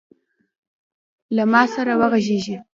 له ما سره وغږیږﺉ .